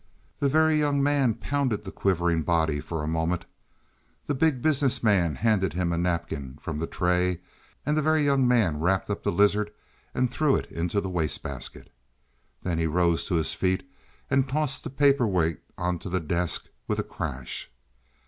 The Very Young Man pounded the quivering body for a moment. The Big Business Man handed him a napkin from the tray and the Very Young Man wrapped up the lizard and threw it into the waste basket. Then he rose to his feet and tossed the paper weight on to the desk with a crash.